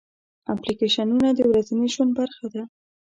اپلیکیشنونه د ورځني ژوند برخه ده.